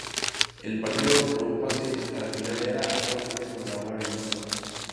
El partido por un pase a la final era, nuevamente, contra Barrington.